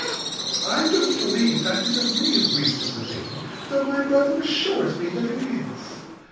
I don't believe that is the real reason of the thing, though my brother assures me that it is.